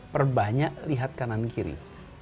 perbanyak lihat kanan kiri